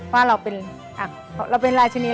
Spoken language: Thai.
ว่าเราเป็นอ่ะเราเป็นลายชนีย์